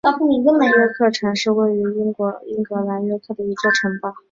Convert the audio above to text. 约克城是位于英国英格兰约克的一座城堡。